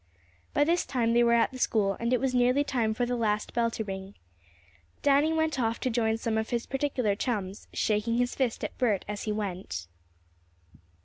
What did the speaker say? By this time they were at the school, and it was nearly time for the last bell to ring. Danny went off to join some of his particular chums, shaking his fist at Bert as he went.